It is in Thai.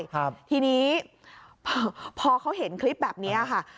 ครับทีนี้พอเขาเห็นคลิปแบบเนี้ยค่ะ